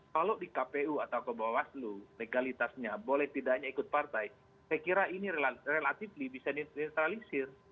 kalau di kpu atau kebawah lu legalitasnya boleh tidaknya ikut partai saya kira ini relatif bisa dinestralisir